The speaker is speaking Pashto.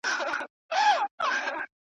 ویري واخیستم توپک مي وچ لرګی سو ,